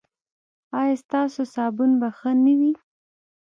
ایا ستاسو صابون به ښه نه وي؟